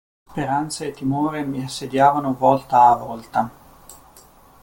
Speranza e timore mi assediavano volta a volta.